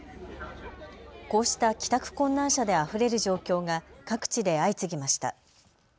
こうした帰宅困難者であふれる状況が各地で相次ぎました。